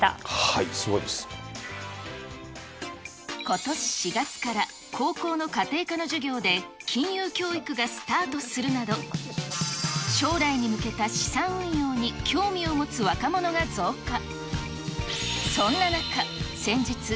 ことし４月から、高校の家庭科の授業で、金融教育がスタートするなど、将来に向けた資産運用に興味を持つ若者が増加。